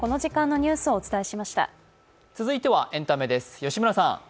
続いてはエンタメです。